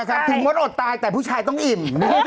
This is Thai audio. โอ๊คคคคคคถึงเมาส์อดตายแต่ผู้ชายต้องอิ่ม